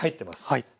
はい。